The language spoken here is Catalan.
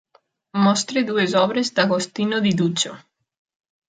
Mostra dues obres d'Agostino di Duccio.